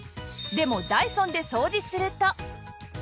でもダイソンで掃除すると